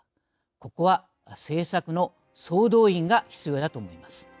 ここは政策の総動員が必要だと思います。